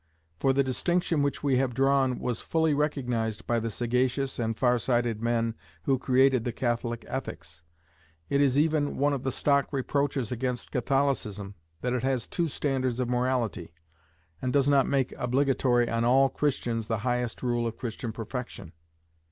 For the distinction which we have drawn was fully recognized by the sagacious and far sighted men who created the Catholic ethics. It is even one of the stock reproaches against Catholicism, that it has two standards of morality, and does not make obligatory on all Christians the highest rule of Christian perfection.